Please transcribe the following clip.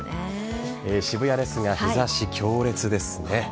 渋谷ですが、日差し強烈です。